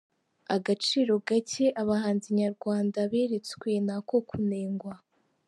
Agaciro gake abahanzi nyarwanda beretswe ni ako kunengwa.